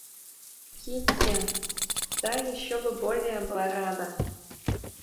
Кити, та еще бы более была рада.